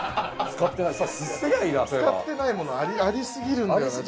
使ってないものありすぎるんだよな。